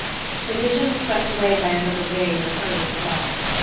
The vision was swept away by another wave of hurrying thoughts.